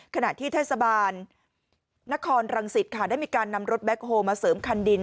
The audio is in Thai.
ขณะที่เทศบาลนครรังสิตค่ะได้มีการนำรถแบ็คโฮลมาเสริมคันดิน